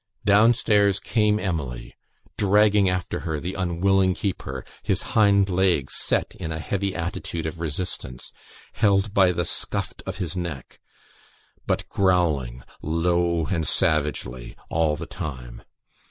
Down stairs came Emily, dragging after her the unwilling Keeper, his hind legs set in a heavy attitude of resistance, held by the "scuft of his neck," but growling low and savagely all the time.